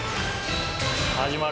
始まる。